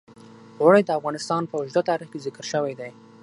اوړي د افغانستان په اوږده تاریخ کې ذکر شوی دی.